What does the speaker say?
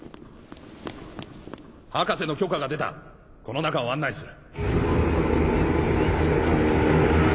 博士の許可が出たこの中を案内する。